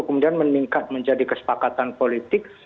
kemudian meningkat menjadi kesepakatan politik